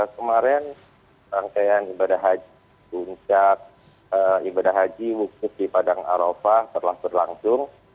kemarin rangkaian ibadah haji wujud di padang arafah telah berlangsung